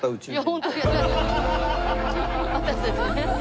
私たちね。